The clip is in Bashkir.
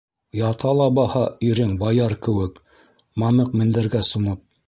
Ята ла баһа ирең баяр кеүек, мамыҡ мендәргә сумып...